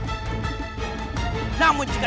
aku akan membunuh mereka